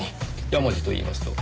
山路といいますと？